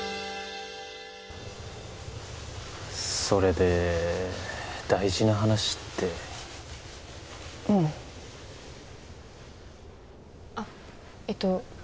それで大事な話ってうんあっえっと